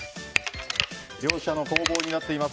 両者の攻防になっています。